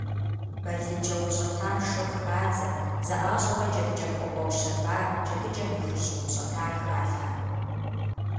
Балыджэ упщӏэтам шыгъу хадзэ, зэӏащӏэурэ джэдыкӏэ кугъуэ ущэбар, джэдыкӏэм и хужь упщӏэтар халъхьэ.